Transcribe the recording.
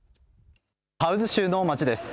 ハウズ州の町です。